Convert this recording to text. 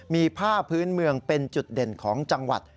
มีผ้าพื้นเมืองเป็นจุดเด่นของจังหวัด